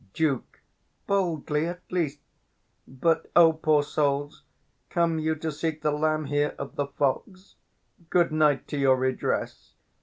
Duke. Boldly, at least. But, O, poor souls, 295 Come you to seek the lamb here of the fox? Good night to your redress!